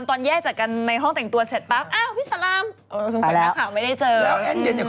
ตอนแยกจากกันในห้องแต่งตัวเสร็จปั๊บ